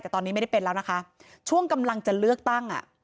แต่ตอนนี้ไม่ได้เป็นแล้วนะคะช่วงกำลังจะเลือกตั้งอ่ะ